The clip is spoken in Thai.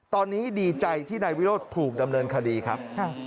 ตอนนี้ดีใจที่นายวิโรธถูกดำเนินคดีครับ